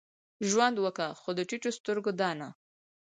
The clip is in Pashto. ژوند وکه؛ خو د ټيټو سترګو دا نه.